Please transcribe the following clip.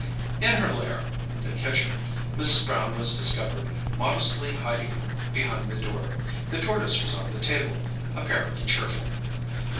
In her lair—the kitchen—Mrs. Brown was discovered, modestly hiding behind the door. The tortoise was on the table, apparently cheerful.